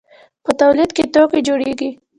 په تولید کې توکي جوړیږي.